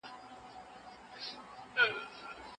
اسناد باید په پوره امانتدارۍ ښکاره سی.